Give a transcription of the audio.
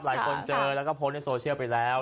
เจอแล้วก็โพสต์ในโซเชียลไปแล้ว